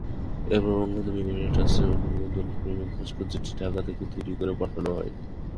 এরপর বঙ্গবন্ধু মেমোরিয়াল ট্রাস্টের অনুমোদনক্রমে ভাস্কর্যটি ঢাকা থেকে তৈরি করে পাঠানো হয়।